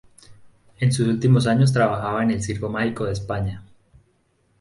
En sus últimos años trabajaba en el Circo Mágico de España.